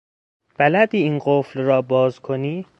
بلدی این قفل را باز کنی؟